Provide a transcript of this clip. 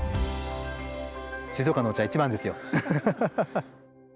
静岡のお茶が一番ですよハハハ！